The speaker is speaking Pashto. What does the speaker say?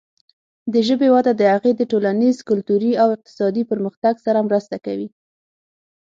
د ژبې وده د هغې د ټولنیز، کلتوري او اقتصادي پرمختګ سره مرسته کوي.